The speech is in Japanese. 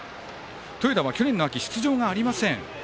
豊田は去年の秋、出場ありません。